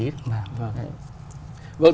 vâng thưa đại sư